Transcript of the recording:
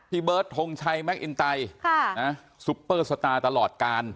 พี่เบิร์ดทรงชัยแม็กอินไตค่ะนะสุปเปอร์สตาร์ตลอดการ